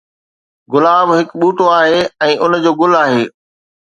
گلاب هڪ ٻوٽو آهي ۽ ان جو گل آهي